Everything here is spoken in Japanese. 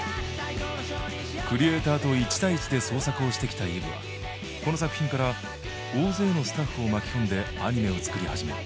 クリエーターと１対１で創作をしてきたＥｖｅはこの作品から大勢のスタッフを巻き込んでアニメを作り始める。